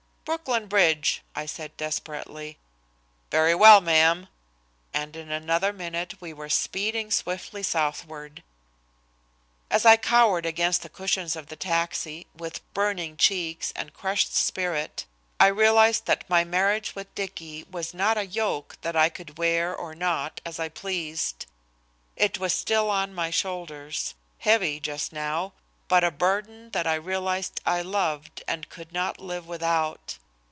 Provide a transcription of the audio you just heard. "Brooklyn Bridge," I said desperately. "Very well, ma'am," and in another minute we were speeding swiftly southward. As I cowered against the cushions of the taxi, with burning cheeks and crushed spirit, I realized that my marriage with Dicky was not a yoke that I could wear or not as I pleased. It was still on my shoulders, heavy just now, but a burden that I realized I loved and could not live without.